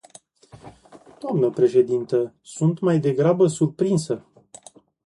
Dnă președintă, sunt mai degrabă surprinsă.